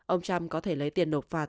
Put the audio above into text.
ông trump có thể lấy tiền nộp phạt